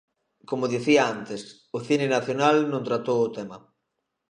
Como dicía antes, o cine nacional non tratou o tema.